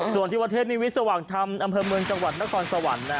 ส่วนที่วัดเทพนิวิตสว่างธรรมอำเภอเมืองจังหวัดนครสวรรค์